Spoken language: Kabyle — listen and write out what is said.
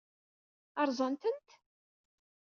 Ṛṛẓant-tent?